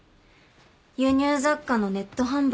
輸入雑貨のネット販売。